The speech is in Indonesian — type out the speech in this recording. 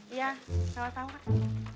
iya salam salam pak